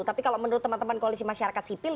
tapi kalau menurut teman teman koalisi masyarakat sipil